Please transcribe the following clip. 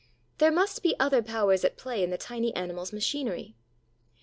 There must be other powers at play in the tiny animal's machinery.